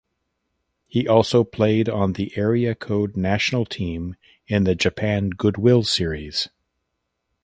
He also played on the Area Code National Team in the Japan Goodwill Series.